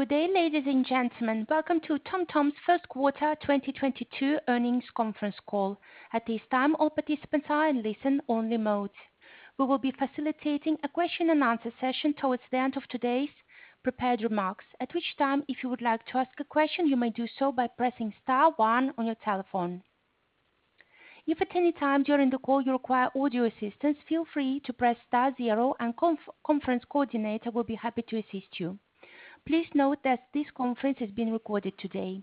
Good day, ladies and gentlemen. Welcome to TomTom's Q1 2022 earnings conference call. At this time, all participants are in listen-only mode. We will be facilitating a question and answer session towards the end of today's prepared remarks, at which time, if you would like to ask a question, you may do so by pressing star one on your telephone. If at any time during the call you require audio assistance, feel free to press star zero and conference coordinator will be happy to assist you. Please note that this conference is being recorded today.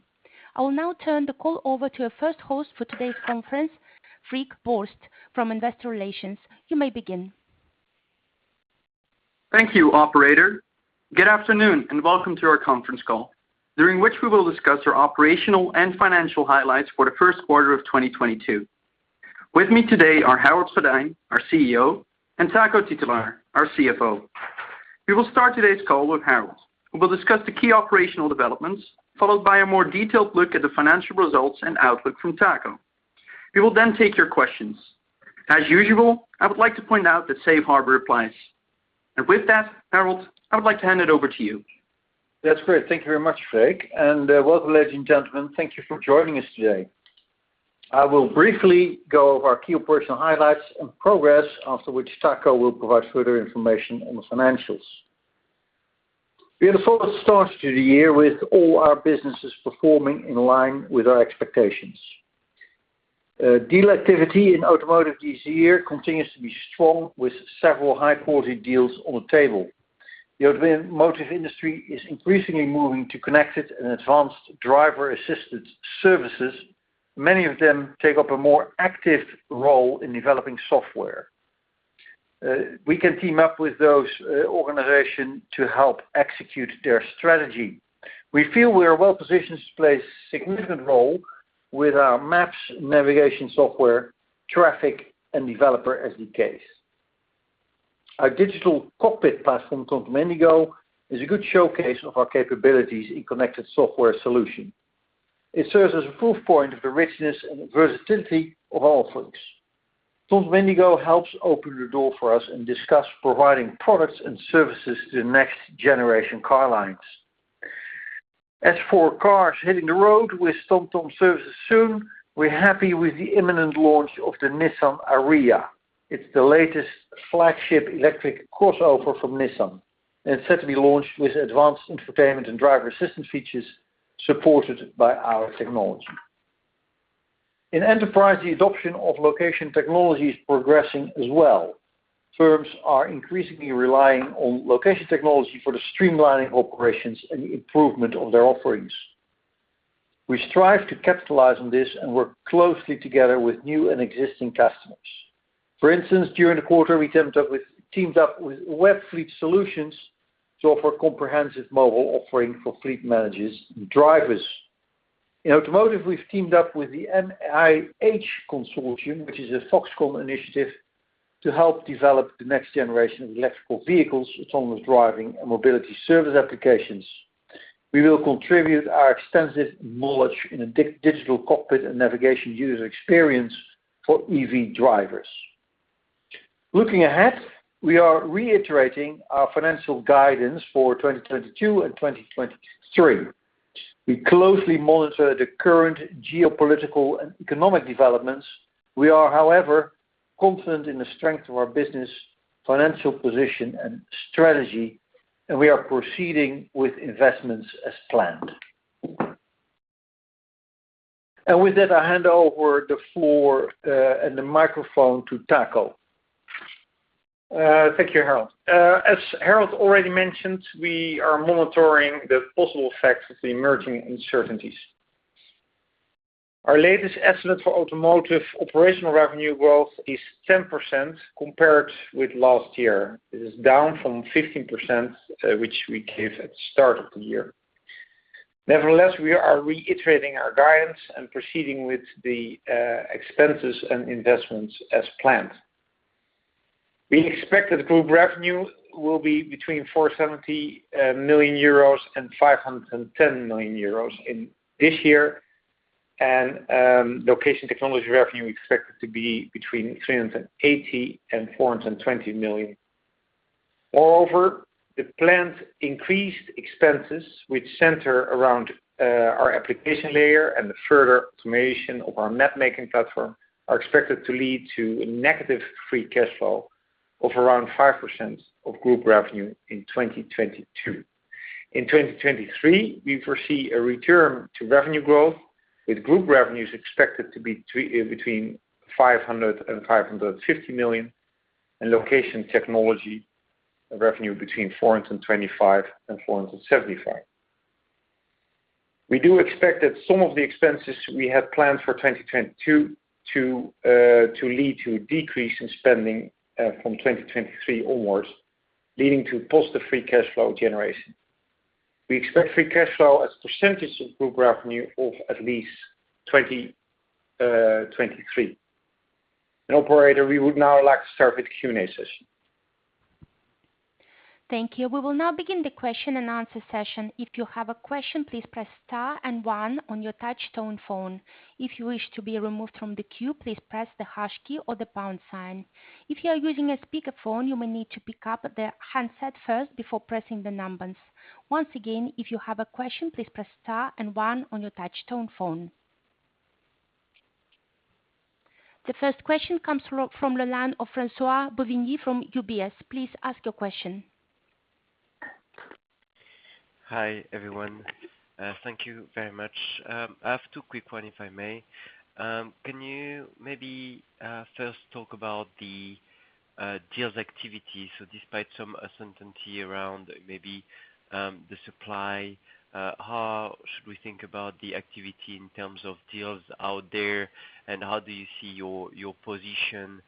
I will now turn the call over to our first host for today's conference, Freek Borst from Investor Relations. You may begin. Thank you, operator. Good afternoon, and welcome to our conference call, during which we will discuss our operational and financial highlights for the Q1 of 2022. With me today are Harold Goddijn, our CEO, and Taco Titulaer, our CFO. We will start today's call with Harold, who will discuss the key operational developments, followed by a more detailed look at the financial results and outlook from Taco. We will then take your questions. As usual, I would like to point out that safe harbor applies. With that, Harold, I would like to hand it over to you. That's great. Thank you very much, Freek. Welcome, ladies and gentlemen. Thank you for joining us today. I will briefly go over our key operational highlights and progress, after which Taco will provide further information on the financials. We had a solid start to the year with all our businesses performing in line with our expectations. Deal activity in automotive this year continues to be strong with several high quality deals on the table. The automotive industry is increasingly moving to connected and advanced driver-assistance systems. Many of them take up a more active role in developing software. We can team up with those organization to help execute their strategy. We feel we are well-positioned to play a significant role with our maps navigation software, traffic, and developer SDKs. Our digital cockpit platform, TomTom IndiGO, is a good showcase of our capabilities in connected software solution. It serves as a proof point of the richness and versatility of our offerings. TomTom IndiGO helps open the door for us and discuss providing products and services to the next generation car lines. As for cars hitting the road with TomTom services soon, we're happy with the imminent launch of the Nissan Ariya. It's the latest flagship electric crossover from Nissan, and it's set to be launched with advanced entertainment and driver assistance features supported by our technology. In enterprise, the adoption of location technology is progressing as well. Firms are increasingly relying on location technology for the streamlining operations and improvement of their offerings. We strive to capitalize on this and work closely together with new and existing customers. For instance, during the quarter, we teamed up with Webfleet Solutions to offer a comprehensive mobile offering for fleet managers and drivers. In automotive, we've teamed up with the MIH Consortium, which is a Foxconn initiative, to help develop the next generation of electric vehicles, autonomous driving, and mobility service applications. We will contribute our extensive knowledge in a digital cockpit and navigation user experience for EV drivers. Looking ahead, we are reiterating our financial guidance for 2022 and 2023. We closely monitor the current geopolitical and economic developments. We are, however, confident in the strength of our business, financial position, and strategy, and we are proceeding with investments as planned. With that, I hand over the floor and the microphone to Taco. Thank you, Harold. As Harold already mentioned, we are monitoring the possible effects of the emerging uncertainties. Our latest estimate for automotive operational revenue growth is 10% compared with last year. It is down from 15%, which we gave at the start of the year. Nevertheless, we are reiterating our guidance and proceeding with the expenses and investments as planned. We expect that group revenue will be between 470 million euros and 510 million euros in this year. Location technology revenue expected to be between 380 million and 420 million. Moreover, the planned increased expenses which center around our application layer and the further automation of our map-making platform are expected to lead to a negative free cash flow of around 5% of group revenue in 2022. In 2023, we foresee a return to revenue growth, with group revenues expected to be between 500 million and 550 million, and location technology revenue between 425 million and 475 million. We do expect that some of the expenses we have planned for 2022 to lead to a decrease in spending from 2023 onwards, leading to positive free cash flow generation. We expect free cash flow as a percentage of group revenue of at least 20% in 2023. Operator, we would now like to start with Q&A session. Thank you. We will now begin the question and answer session. The first question comes from the line of François-Xavier Bouvignies from UBS. Please ask your question. Hi, everyone. Thank you very much. I have two quick one, if I may. Can you maybe first talk about the deals activity? Despite some uncertainty around maybe the supply, how should we think about the activity in terms of deals out there, and how do you see your position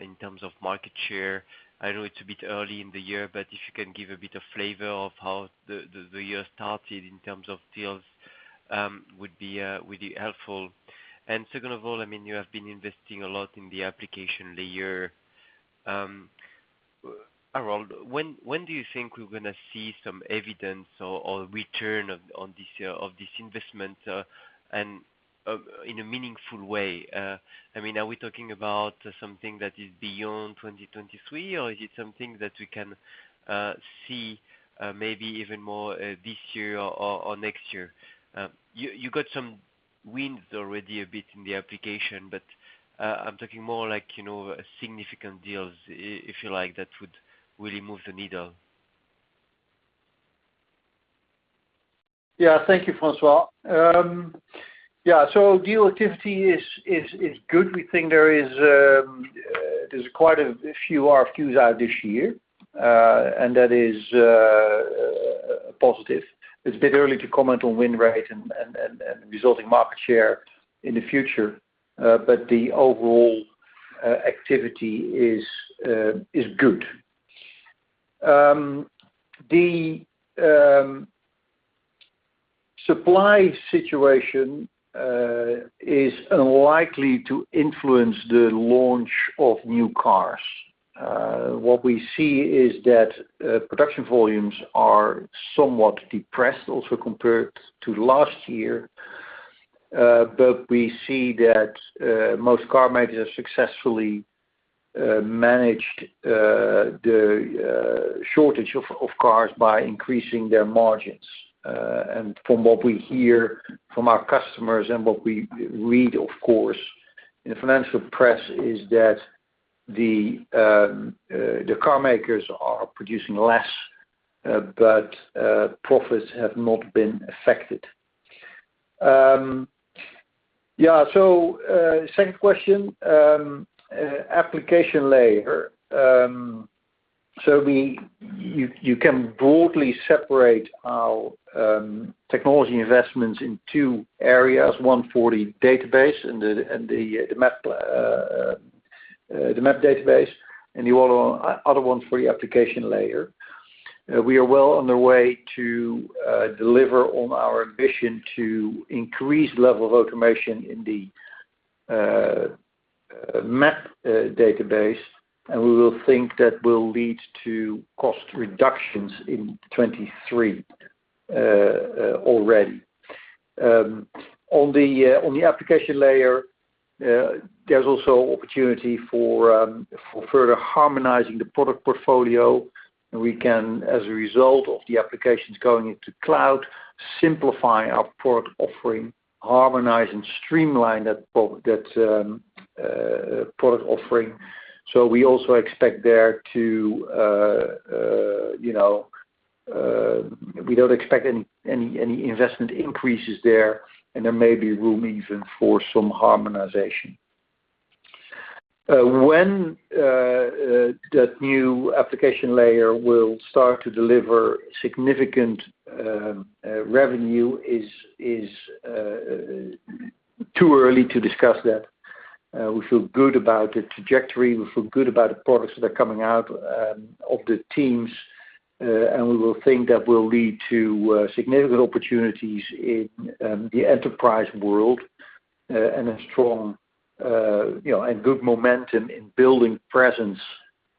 in terms of market share? I know it's a bit early in the year, but if you can give a bit of flavor of how the year started in terms of deals, would be helpful. Second of all, I mean, you have been investing a lot in the application layer. Harold, when do you think we're gonna see some evidence or return on this investment, and in a meaningful way? I mean, are we talking about something that is beyond 2023, or is it something that we can see, maybe even more this year or next year? You got some wins already a bit in the application, but I'm talking more like, you know, significant deals, if you like, that would really move the needle. Yeah. Thank you, François. Yeah, so deal activity is good. We think there's quite a few RFQs out this year, and that is positive. It's a bit early to comment on win rate and resulting market share in the future, but the overall activity is good. The supply situation is unlikely to influence the launch of new cars. What we see is that production volumes are somewhat depressed also compared to last year, but we see that most car makers have successfully managed the shortage of cars by increasing their margins. From what we hear from our customers and what we read, of course, in the financial press is that the car makers are producing less, but profits have not been affected. Yeah. Second question, application layer. You can broadly separate our technology investments in two areas. One for the database and the map database, and the other one for the application layer. We are well on the way to deliver on our ambition to increase level of automation in the map database, and we will think that will lead to cost reductions in 2023 already. On the application layer, there's also opportunity for further harmonizing the product portfolio, and we can, as a result of the applications going into cloud, simplify our product offering, harmonize and streamline that product offering. We don't expect any investment increases there, and there may be room even for some harmonization. When that new application layer will start to deliver significant revenue is too early to discuss that. We feel good about the trajectory. We feel good about the products that are coming out of the teams, and we think that will lead to significant opportunities in the enterprise world, and a strong, you know, and good momentum in building presence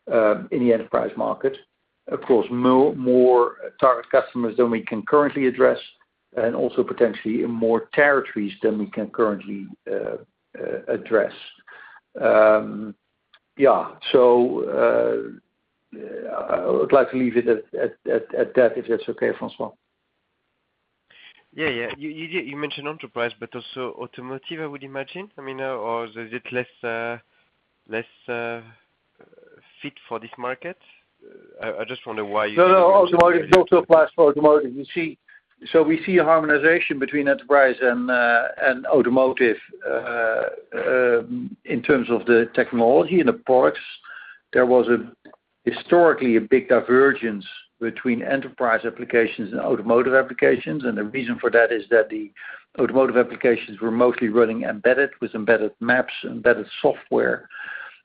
in the enterprise market. Of course, more target customers than we can currently address, and also potentially in more territories than we can currently address. I would like to leave it at that, if that's okay, François. Yeah, yeah. You mentioned enterprise, but also automotive, I would imagine. I mean, or is it less fit for this market? I just wonder why you- No, no. Automotive, it also applies for automotive. You see. We see a harmonization between enterprise and automotive in terms of the technology and the products. There was historically a big divergence between enterprise applications and automotive applications, and the reason for that is that the automotive applications were mostly running embedded with embedded maps, embedded software.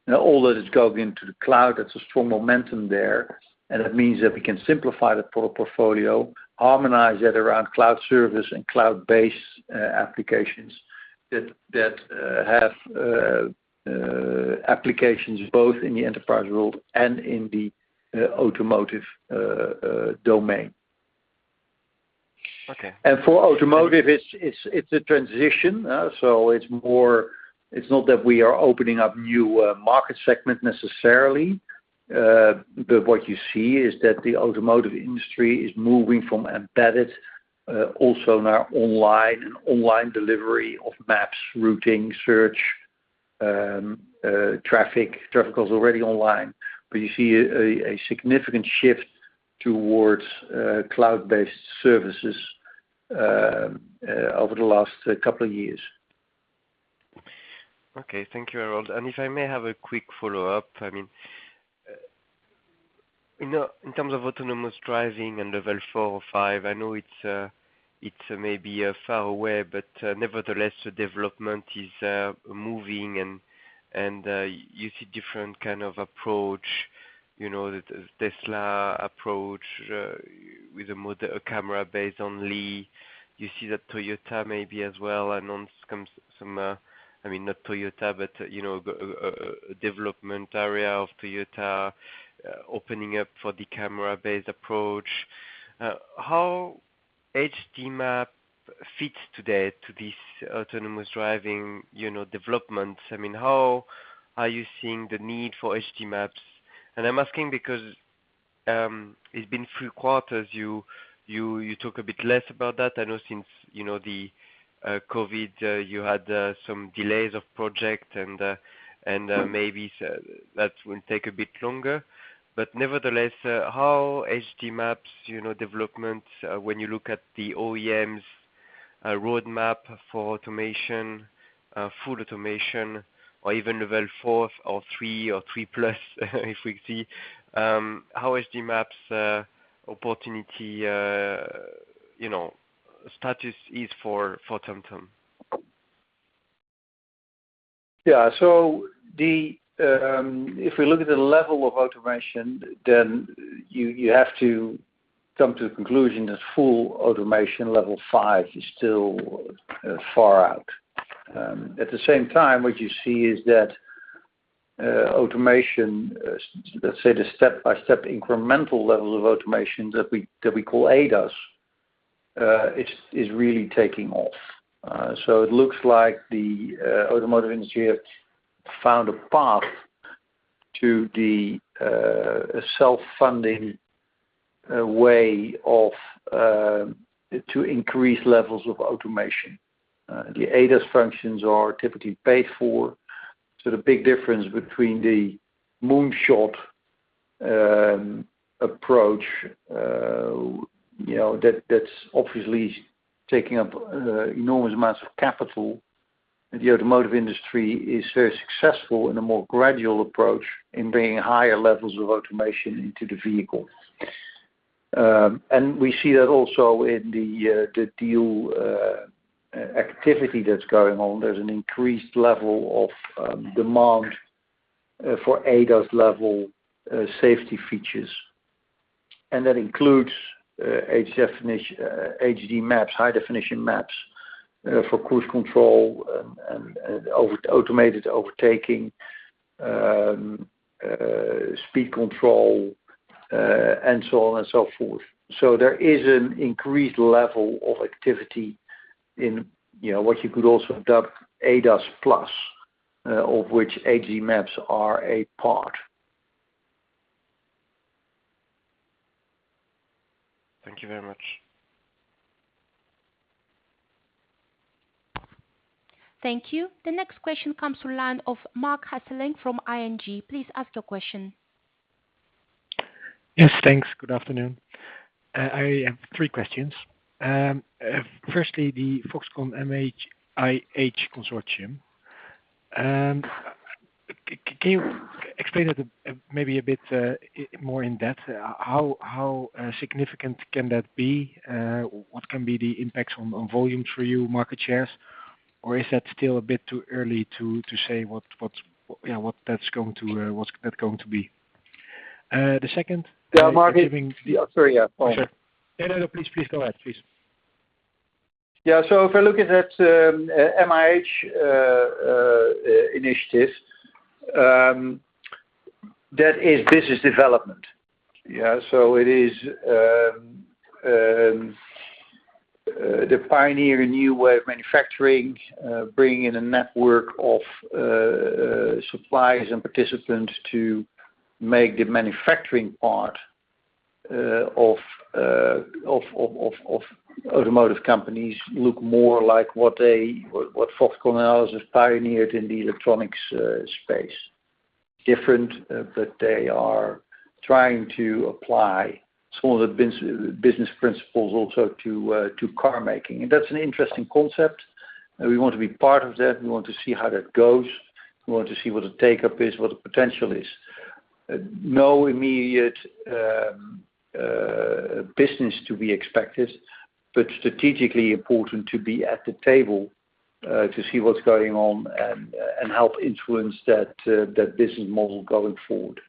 Now all that is going into the cloud, there's a strong momentum there, and it means that we can simplify the product portfolio, harmonize it around cloud service and cloud-based applications that have applications both in the enterprise world and in the automotive domain. Okay. For automotive, it's a transition. It's not that we are opening up new market segment necessarily. What you see is that the automotive industry is moving from embedded, also now online and online delivery of maps, routing, search, traffic. Traffic was already online, but you see a significant shift towards cloud-based services over the last couple of years. Okay. Thank you, Harold Goddijn. If I may have a quick follow-up. I mean, you know, in terms of autonomous driving and level four or five, I know it's maybe far away, but nevertheless, the development is moving and you see different kind of approach, you know, the Tesla approach with a camera-based only. You see that Toyota maybe as well announced some, I mean, not Toyota, but you know, a development area of Toyota opening up for the camera-based approach. How HD map fits today to this autonomous driving, you know, development? I mean, how are you seeing the need for HD maps? I'm asking because it's been three quarters, you talk a bit less about that. I know since, you know, the COVID, you had some delays in projects and... Maybe so that will take a bit longer. Nevertheless, how HD maps, you know, developments, when you look at the OEMs roadmap for automation, full automation, or even level four or three or three plus, if we see, how HD maps opportunity, you know, status is for TomTom? Yeah. If we look at the level of automation, then you have to come to the conclusion that full automation level five is still far out. At the same time, what you see is that automation let's say the step-by-step incremental level of automation that we call ADAS is really taking off. It looks like the automotive industry found a path to the self-funding way of to increase levels of automation. The ADAS functions are typically paid for. The big difference between the moonshot approach, you know, that that's obviously taking up enormous amounts of capital, and the automotive industry is very successful in a more gradual approach in bringing higher levels of automation into the vehicle. We see that also in the deal activity that's going on. There's an increased level of demand for ADAS-level safety features. That includes high-definition HD maps for cruise control and automated overtaking, speed control, and so on and so forth. There is an increased level of activity in, you know, what you could also dub ADAS Plus, of which HD maps are a part. Thank you very much. Thank you. The next question comes from the line of Marc Hesselink from ING. Please ask your question. Yes, thanks. Good afternoon. I have three questions. Firstly, the Foxconn MIH Consortium. Can you explain it a bit more in depth, how significant can that be? What can be the impacts on volume for you, market shares? Or is that still a bit too early to say what that's going to be? The second- Yeah, Marc- Oh, sorry, yeah. Go on. No. Please go ahead. Yeah. If I look at that, MIH initiative, that is business development. Yeah. It is pioneering a new way of manufacturing, bringing in a network of suppliers and participants to make the manufacturing part of automotive companies look more like what Foxconn has pioneered in the electronics space. Different, but they are trying to apply some of the business principles also to car making. That's an interesting concept. We want to be part of that. We want to see how that goes. We want to see what the take-up is, what the potential is. No immediate business to be expected, but strategically important to be at the table to see what's going on and help influence that business model going forward.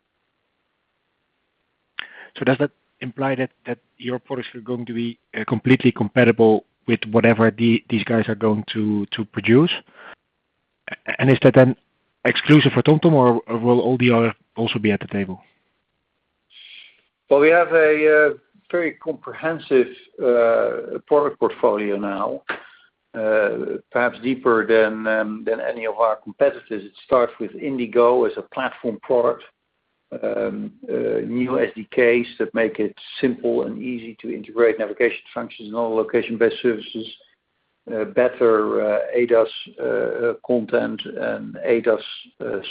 Does that imply that your products are going to be completely compatible with whatever these guys are going to produce? Is that then exclusive for TomTom, or will all the other also be at the table? Well, we have a very comprehensive product portfolio now, perhaps deeper than any of our competitors. It starts with IndiGO as a platform product, new SDKs that make it simple and easy to integrate navigation functions and all location-based services, better ADAS content and ADAS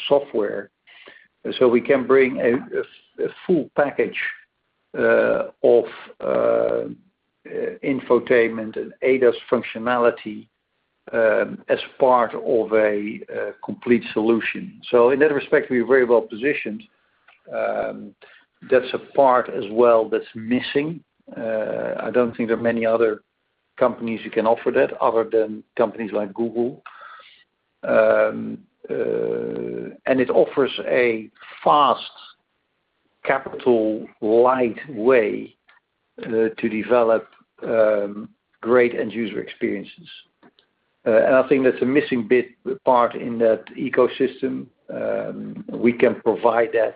software. We can bring a full package of infotainment and ADAS functionality, as part of a complete solution. In that respect, we're very well-positioned. That's a part as well that's missing. I don't think there are many other companies who can offer that other than companies like Google. It offers a fast capital light way to develop great end user experiences. I think that's a missing bit part in that ecosystem. We can provide that,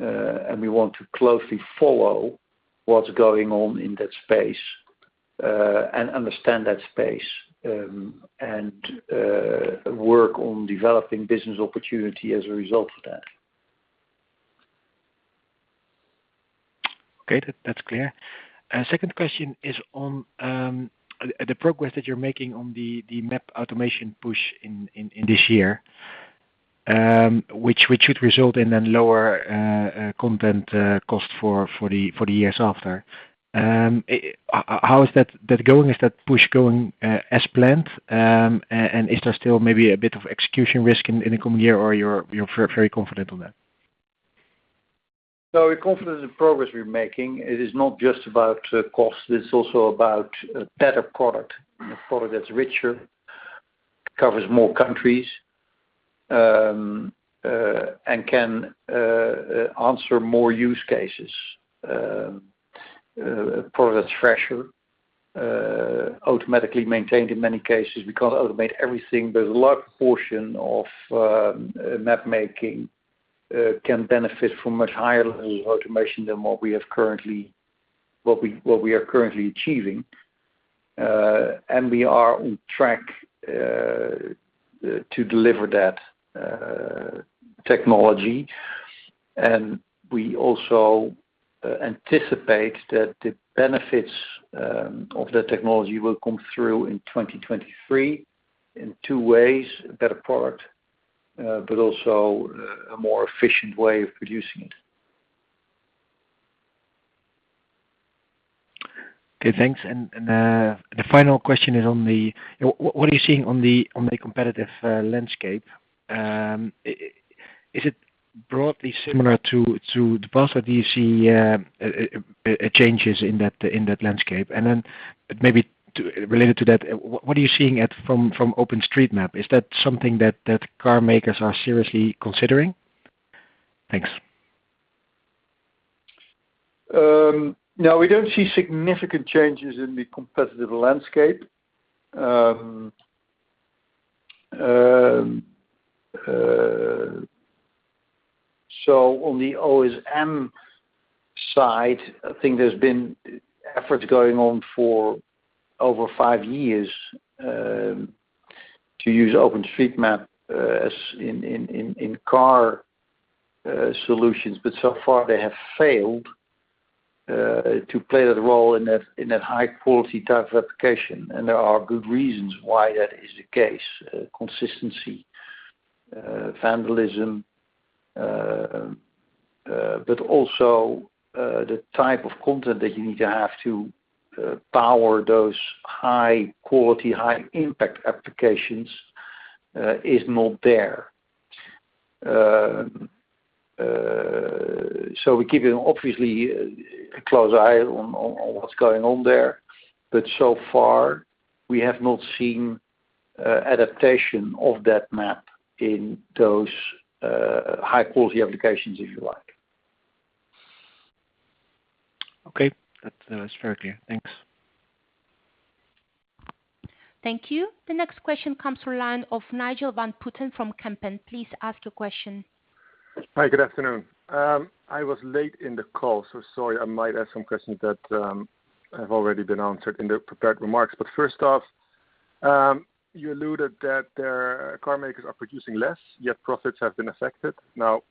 and we want to closely follow what's going on in that space, and understand that space, and work on developing business opportunity as a result of that. Okay. That's clear. Second question is on the progress that you're making on the map automation push in this year, which should result in then lower content cost for the years after. How is that going? Is that push going as planned? Is there still maybe a bit of execution risk in the coming year, or you're very confident on that? We're confident in the progress we're making. It is not just about cost, it's also about a better product. A product that's richer, covers more countries, and can answer more use cases. A product that's fresher, automatically maintained in many cases. We can't automate everything, but a large portion of mapmaking can benefit from much higher level of automation than what we are currently achieving. We are on track to deliver that technology. We also anticipate that the benefits of that technology will come through in 2023 in two ways, a better product, but also, a more efficient way of producing it. Okay, thanks. The final question is what are you seeing on the competitive landscape? Is it broadly similar to the past, or do you see changes in that landscape? Maybe related to that, what are you seeing from OpenStreetMap? Is that something that car makers are seriously considering? Thanks. No, we don't see significant changes in the competitive landscape. On the OSM side, I think there's been efforts going on for over five years to use OpenStreetMap as in-car solutions. But so far they have failed to play that role in that high quality type of application. There are good reasons why that is the case. Consistency, vandalism, but also the type of content that you need to have to power those high quality, high impact applications is not there. We're keeping obviously a close eye on what's going on there. But so far we have not seen adaptation of that map in those high quality applications, if you like. Okay. That is fair, clear. Thanks. Thank you. The next question comes from the line of Nigel van Putten from Kempen. Please ask your question. Hi, good afternoon. I was late in the call, so sorry, I might ask some questions that have already been answered in the prepared remarks. First off, you alluded that the car makers are producing less, yet profits have been affected. Now,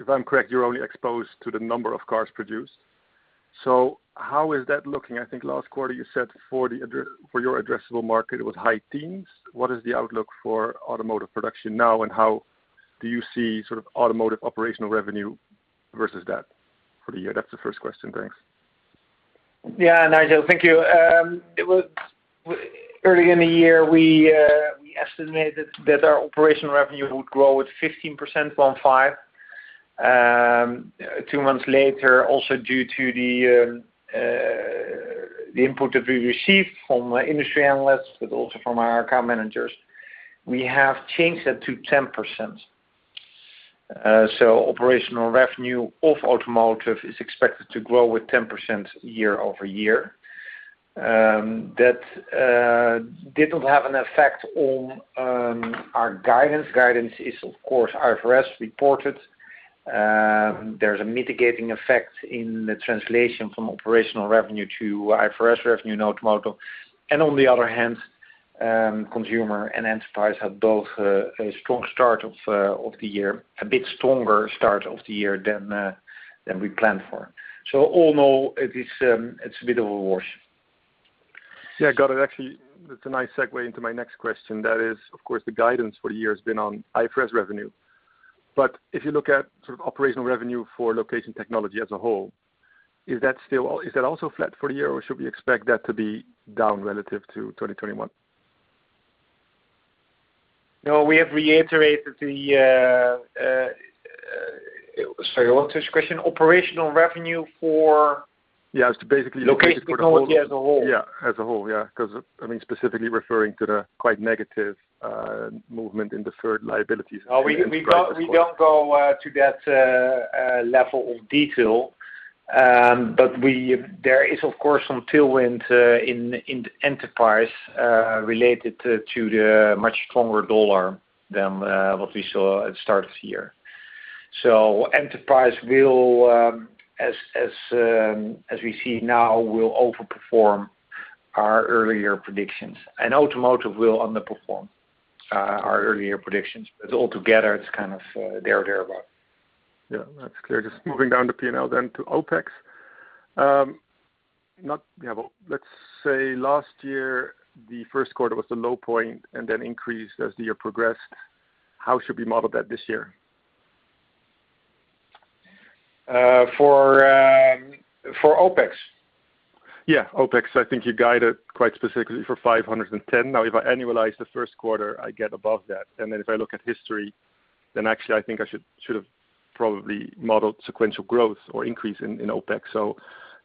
if I'm correct, you're only exposed to the number of cars produced. So how is that looking? I think last quarter you said for your addressable market, it was high teens. What is the outlook for automotive production now, and how do you see sort of automotive operational revenue versus that for the year? That's the first question. Thanks. Yeah, Nigel. Thank you. It was early in the year, we estimated that our operational revenue would grow at 15% or 5%. Two months later, also due to the input that we received from industry analysts, but also from our account managers, we have changed that to 10%. So operational revenue of Automotive is expected to grow with 10% year-over-year. That didn't have an effect on our guidance. Guidance is of course IFRS reported. There's a mitigating effect in the translation from operational revenue to IFRS revenue in automotive. On the other hand, consumer and enterprise have both a strong start of the year, a bit stronger start of the year than we planned for. All in all, it's a bit of a wash. Yeah. Got it. Actually, that's a nice segue into my next question. That is, of course, the guidance for the year has been on IFRS revenue. If you look at sort of operational revenue for location technology as a whole, is that also flat for the year, or should we expect that to be down relative to 2021? No, we have reiterated the, sorry, what was the question? Operational revenue for- Yeah. It's basically. Location technology as a whole. Yeah, as a whole. Yeah. 'Cause, I mean, specifically referring to the quite negative movement in deferred liabilities. We don't go to that level of detail. There is of course some tailwind in the enterprise related to the much stronger US dollar than what we saw at the start of this year. Enterprise will, as we see now, overperform our earlier predictions, and automotive will underperform our earlier predictions. Altogether, it's kind of there or thereabouts. Yeah. That's clear. Just moving down the P&L then to OpEx. Let's say last year, the Q1 was the low point and then increased as the year progressed. How should we model that this year? For OpEx? Yeah, OpEx. I think you guided quite specifically for 510. Now, if I annualize the Q1, I get above that. Then if I look at history, actually I think I should've probably modeled sequential growth or increase in OpEx.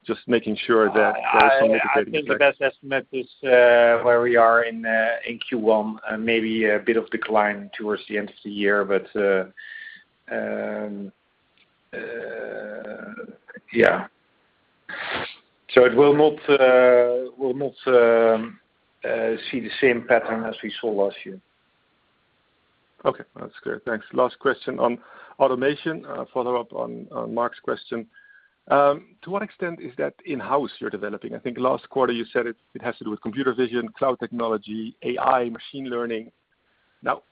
Just making sure that- I think the best estimate is where we are in Q1, maybe a bit of decline towards the end of the year. Yeah. It will not see the same pattern as we saw last year. Okay. That's clear. Thanks. Last question on automation, a follow-up on Marc's question. To what extent is that in-house you're developing? I think last quarter you said it has to do with computer vision, cloud technology, AI, machine learning. Now,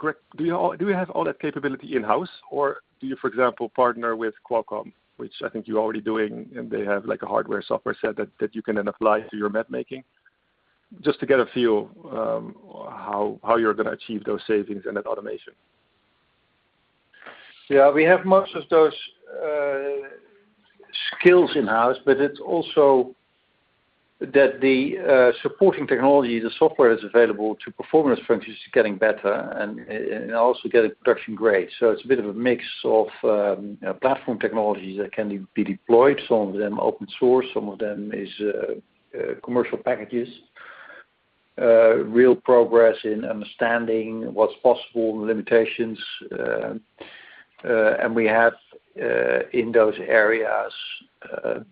do you have all that capability in-house, or do you, for example, partner with Qualcomm, which I think you're already doing, and they have like a hardware/software set that you can then apply to your map making? Just to get a feel of how you're gonna achieve those savings and that automation. Yeah. We have most of those skills in-house, but it's also that the supporting technology, the software that's available to perform those functions is getting better and also getting production grade. It's a bit of a mix of platform technologies that can be deployed. Some of them open source, some of them is commercial packages. Real progress in understanding what's possible, the limitations, and we have in those areas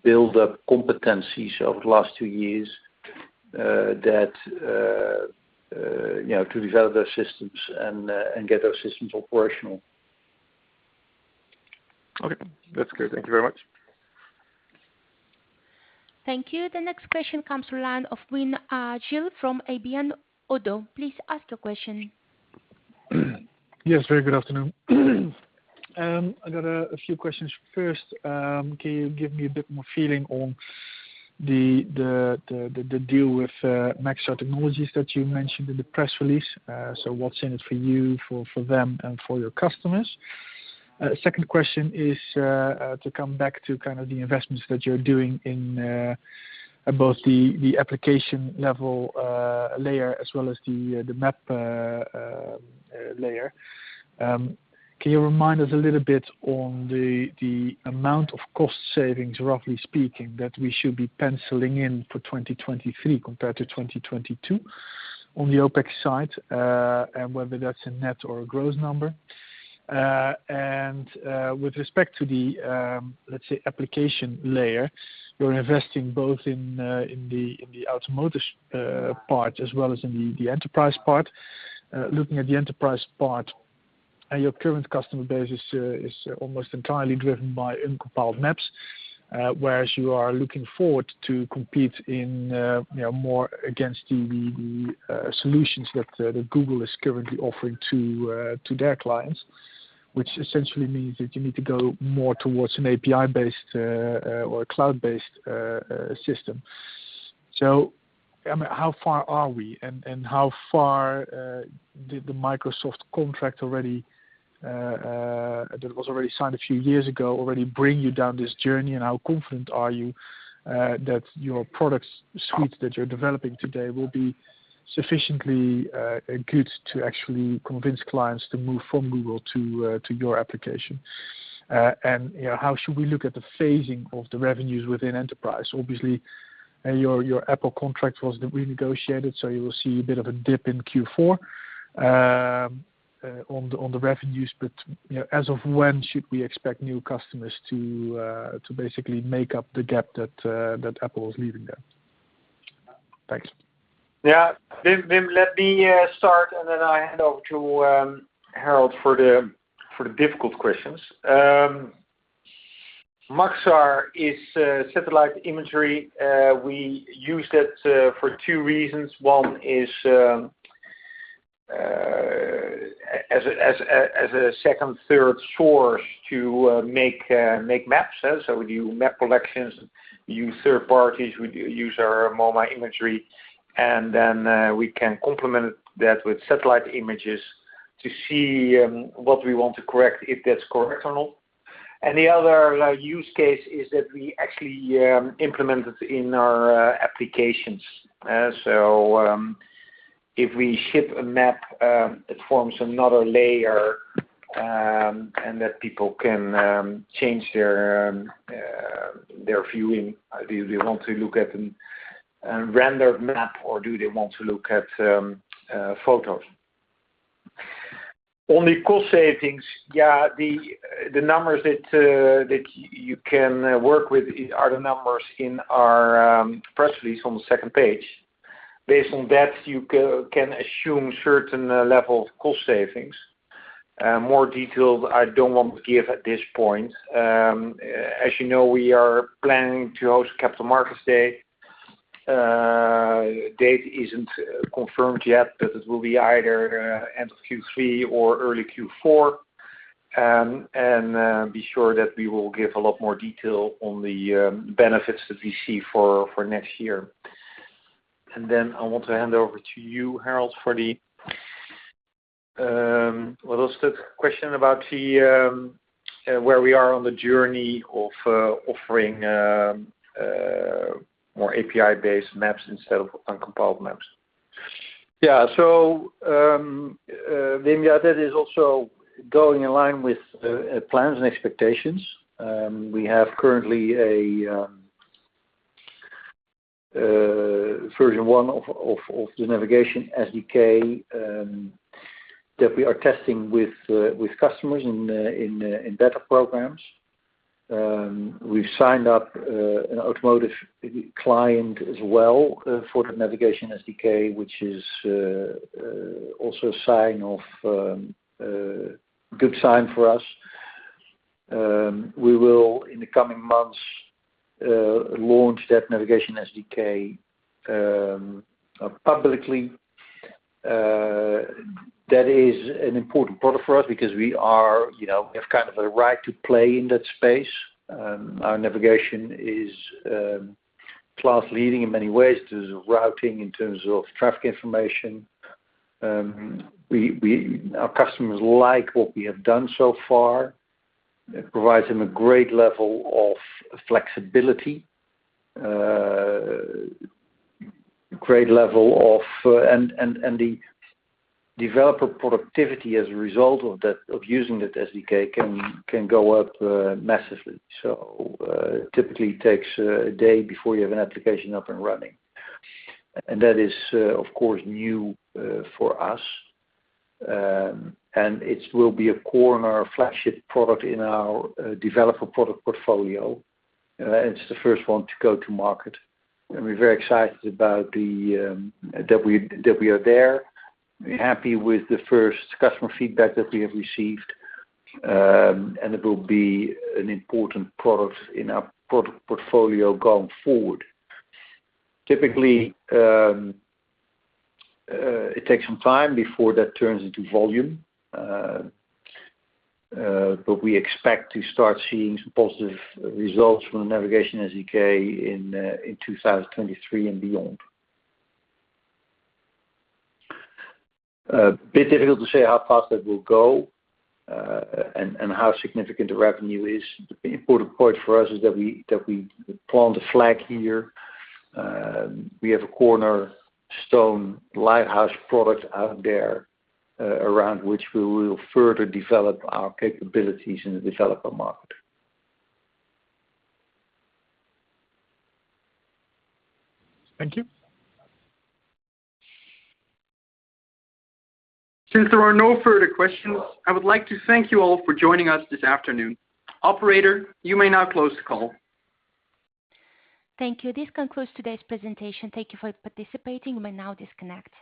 built up competencies over the last two years that you know to develop those systems and get those systems operational. Okay. That's clear. Thank you very much. Thank you. The next question comes from the line of Wim Gille from ABN AMRO. Please ask your question. Yes. Very good afternoon. I got a few questions. First, can you give me a bit more feeling on the deal with Maxar Technologies that you mentioned in the press release? So what's in it for you, for them and for your customers? Second question is to come back to kind of the investments that you're doing in both the application level layer as well as the map layer. Can you remind us a little bit on the amount of cost savings, roughly speaking, that we should be penciling in for 2023 compared to 2022 on the OpEx side, and whether that's a net or a gross number? With respect to the, let's say, application layer, you're investing both in the automotive part as well as in the enterprise part. Looking at the enterprise part, your current customer base is almost entirely driven by uncompiled maps, whereas you are looking forward to compete in, you know, more against the solutions that Google is currently offering to their clients, which essentially means that you need to go more towards an API based or a cloud-based system. I mean, how far are we and how far did the Microsoft contract already that was signed a few years ago bring you down this journey? How confident are you that your product suite that you're developing today will be sufficiently good to actually convince clients to move from Google to your application? You know, how should we look at the phasing of the revenues within enterprise? Obviously, your Apple contract was renegotiated, so you will see a bit of a dip in Q4 on the revenues, but you know, as of when should we expect new customers to basically make up the gap that Apple is leaving there? Thanks. Yeah. Wim Gille, let me start, and then I hand over to Harold Goddijn for the difficult questions. Maxar is a satellite imagery. We use that for two reasons. One is as a second, third source to make maps. We do map collections. We use third parties. We use our own imagery, and then we can complement that with satellite images to see what we want to correct if that's correct or not. The other use case is that we actually implement it in our applications. If we ship a map, it forms another layer, and that people can change their viewing. Do they want to look at an rendered map or do they want to look at photos? On the cost savings, yeah, the numbers that you can work with are the numbers in our press release on the second page. Based on that, you can assume certain level of cost savings. More details I don't want to give at this point. As you know, we are planning to host Capital Markets Day. Date isn't confirmed yet, but it will be either end of Q3 or early Q4. Be sure that we will give a lot more detail on the benefits that we see for next year. I want to hand over to you, Harold, for what was the question about where we are on the journey of offering more API-based maps instead of uncompiled maps. Wim, that is also in line with plans and expectations. We have currently a version 1 of the navigation SDK that we are testing with customers in beta programs. We've signed up an automotive client as well for the navigation SDK, which is also a good sign for us. We will, in the coming months, launch that navigation SDK publicly. That is an important product for us because we are, you know, we have kind of a right to play in that space. Our navigation is class-leading in many ways, in terms of routing, in terms of traffic information. Our customers like what we have done so far. It provides them a great level of flexibility and the developer productivity as a result of that, of using that SDK can go up massively. Typically takes a day before you have an application up and running. That is of course new for us. It will be a core and our flagship product in our developer product portfolio. It's the first one to go to market, and we're very excited about that we are there. We're happy with the first customer feedback that we have received. It will be an important product in our product portfolio going forward. Typically it takes some time before that turns into volume. We expect to start seeing some positive results from the navigation SDK in 2023 and beyond. A bit difficult to say how fast that will go, and how significant the revenue is. The important point for us is that we plant a flag here. We have a cornerstone lighthouse product out there, around which we will further develop our capabilities in the developer market. Thank you. Since there are no further questions, I would like to thank you all for joining us this afternoon. Operator, you may now close the call. Thank you. This concludes today's presentation. Thank you for participating. You may now disconnect.